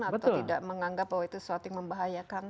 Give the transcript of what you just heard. atau tidak menganggap bahwa itu sesuatu yang membahayakan